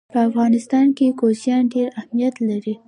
په افغانستان کې کوچیان ډېر اهمیت لري.